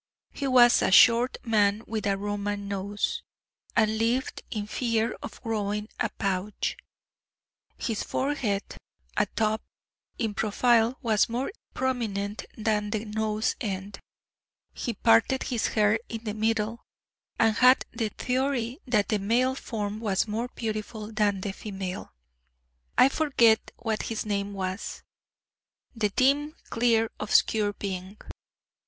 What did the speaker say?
He was a short man with a Roman nose, and lived in fear of growing a paunch. His forehead a top, in profile, was more prominent than the nose end, he parted his hair in the middle, and had the theory that the male form was more beautiful than the female. I forget what his name was the dim clear obscure being.